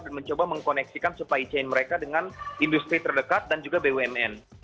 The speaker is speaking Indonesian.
dan mencoba mengkoneksikan supply chain mereka dengan industri terdekat dan juga bumn